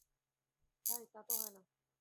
ভাই, তা তো হয় না।